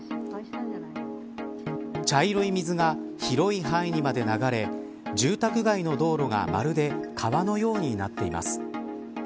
茶色い水が広い範囲にまで流れ住宅街の道路がまるで川のようになっています。